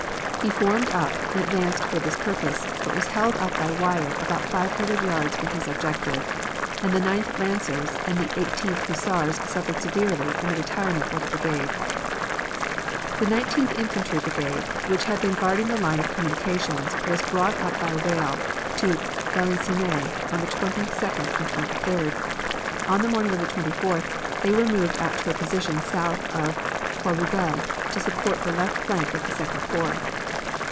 He formed up and advanced for this purpose, but was held up by wire about five hundred yards from his objective, and the Ninth Lancers and the Eighteenth Hussars suffered severely in the retirement of the brigade. "The Nineteenth Infantry Brigade, which had been guarding the line of communications, was brought up by rail to Valenciennes on the 22d and 23d. On the morning of the 24th they were moved out to a position south of Quarouble to support the left flank of the Second Corps.